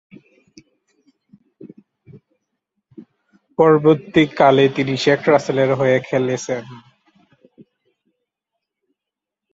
পরবর্তীকালে, তিনি শেখ রাসেলের হয়ে খেলেছেন।